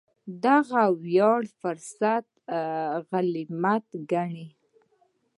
دغه وړیا فرصت غنیمت ګڼي.